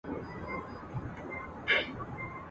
لا خو دي ډکه ده لمن له مېړنو زامنو ..